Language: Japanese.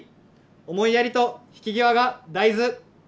思いやりと引き際が大豆。